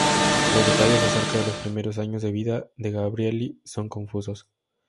Los detalles acerca de los primeros años de la vida de Gabrieli son confusos.